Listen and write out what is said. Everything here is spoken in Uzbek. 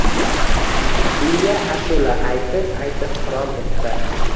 Dilya ashula aytib-aytib xirom etdi: